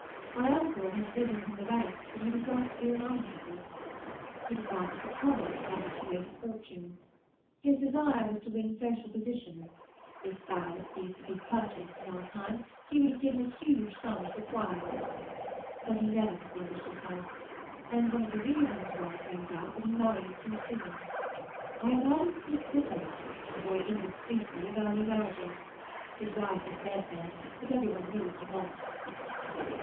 My uncle had risen from the ranks but he disliked to be reminded of it. He disliked the commerce by which he made his fortune. His desire was to win social position; if baronetcies could be purchased in our time, he would have given a huge sum to acquire one. But he never distinguished himself, and one of the reasons was, no doubt, that he married too soon. I have heard him speak bitterly, and very indiscreetly, of early marriages; his wife was dead then, but every one knew what he meant.